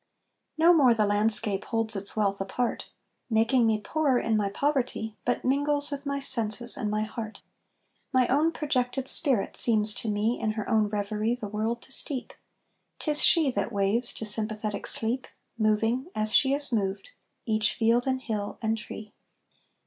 No more the landscape holds its wealth apart. Making me poorer in my poverty, But mingles with my senses and my heart; My own projected spirit seems to me In her own reverie the world to steep; 'Tis she that waves to sympathetic sleep, Moving, as she is moved, each field and hill, and tree.